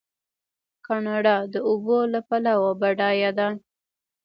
کاناډا د اوبو له پلوه بډایه ده.